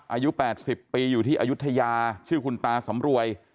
อายุ๘๐ปีอยู่ที่อายุทยาชื่อคุณตาสำรวย